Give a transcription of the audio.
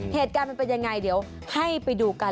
เหตุการณ์มันเป็นยังไงเดี๋ยวให้ไปดูกัน